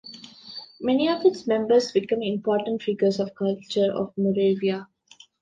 Many of its members become important figures of culture of Moravia.